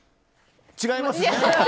違います？